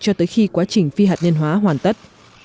cho tới khi quá trình phi hạt nhân hóa hoàn tất